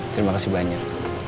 terima kasih banyak